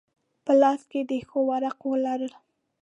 په لاس کې د ښو ورقو لرل.